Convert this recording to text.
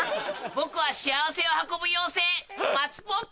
僕は幸せを運ぶ妖精！